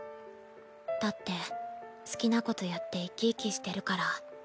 だって好きなことやって生き生きしてるから。